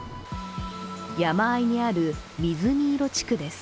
山あいにある水見色地区です。